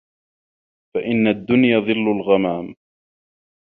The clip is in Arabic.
فَإِنَّ الدُّنْيَا ظِلُّ الْغَمَامِ